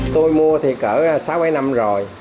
tôi mua thì cỡ sáu bảy năm rồi